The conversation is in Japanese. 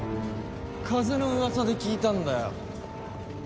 風の噂で聞いたんだよ。